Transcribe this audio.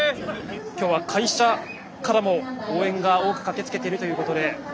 今日は会社からも応援が多く駆けつけているということで。